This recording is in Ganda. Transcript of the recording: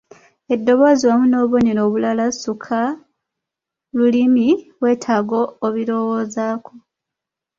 Eddoboozi wamu n’obunero obulala ssukkalulimi weetaaga okubirowoozaako.